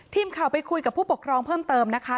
ทีมข่าวไปคุยกับผู้ปกครองเพิ่มเติมนะคะ